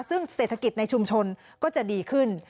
ซึ่งเศรษฐกิจในชุมชนก็จะดีขึ้น